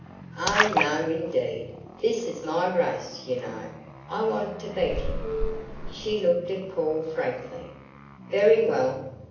"Oh, no, indeed! This is my race, you know. I want to beat him." She looked at Paul frankly. "Very well.